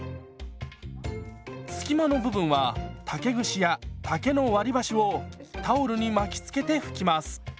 隙間の部分は竹串や竹の割り箸をタオルに巻きつけて拭きます。